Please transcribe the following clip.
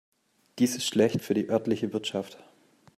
Dies ist schlecht für die örtliche Wirtschaft.